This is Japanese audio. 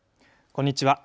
こんにちは。